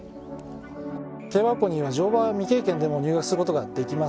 競馬学校には乗馬未経験でも入学することができます